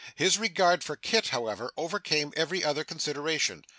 His regard for Kit, however, overcame every other consideration.